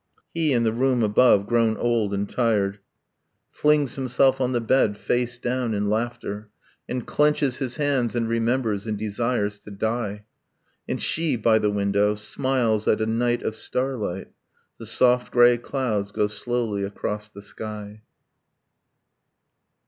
... He, in the room above, grown old and tired, Flings himself on the bed, face down, in laughter, And clenches his hands, and remembers, and desires to die. And she, by the window, smiles at a night of starlight. ... The soft grey clouds go slowly across the sky.